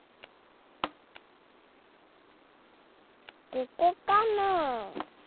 ここかなあ？